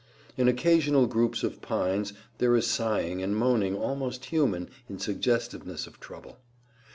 In occasional groups of pines there is sighing and moaning almost human in suggestiveness of trouble.